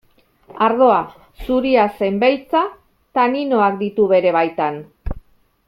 Ardoa, zuria zein beltza, taninoak ditu bere baitan.